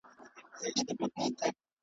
د کښتۍ مسافر .